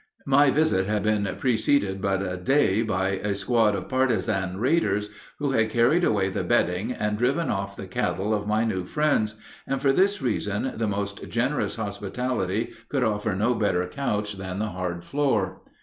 My visit had been preceded but a day by a squad of partizan raiders, who had carried away the bedding and driven off the cattle of my new friends, and for this reason the most generous hospitality could offer no better couch than the hard floor.